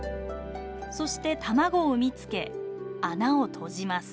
そして卵を産みつけ穴を閉じます。